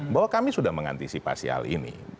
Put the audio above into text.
bahwa kami sudah mengantisipasi hal ini